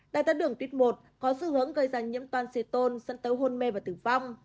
đai thác đường tuyết một có sự hướng gây ra nhiễm toan xế tôn dẫn tới hôn mê và tử vong